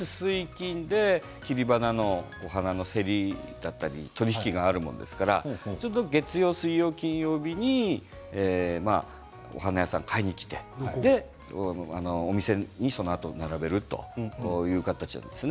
月水金で切り花のお花の競りだったり取り引きがあるものですから月曜、水曜、金曜日にお花屋さんが市場に買いに来てお店にその後並べるという形なんです。